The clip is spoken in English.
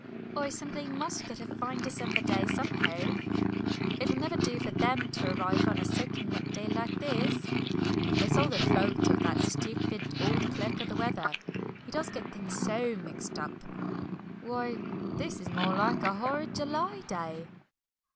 "I simply must get a fine December day somehow. It will never do for 'them' to arrive on a soaking wet day like this. It's all the fault of that stupid old clerk of the weather, he does get things so mixed up! Why, this is more like a horrid July day!"